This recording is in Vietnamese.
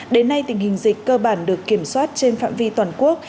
đến nay tình hình dịch cơ bản được kiểm soát trên phạm vi toàn quốc